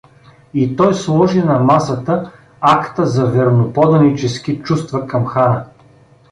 И той сложи на масата акта за верноподанически чувства към хана.